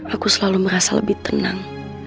aku selalu merasa lebih tenang